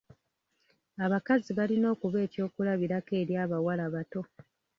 Abakazi balina okuba ekyokulabirako eri abawala abato.